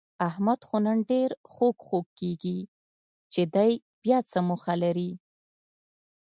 احمد خو نن ډېر خوږ خوږ کېږي، چې دی بیاڅه موخه لري؟